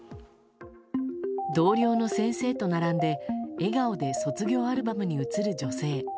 同僚の先生と並んで笑顔で卒業アルバムに写る女性。